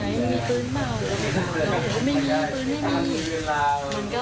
อ่าเดี๋ยวไปฟังเขาค่ะใช่ค่ะฟังช่วงเหตุการณ์เลยนะนะครับ